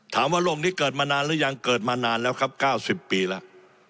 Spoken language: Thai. โรคนี้เกิดมานานหรือยังเกิดมานานแล้วครับ๙๐ปีแล้ว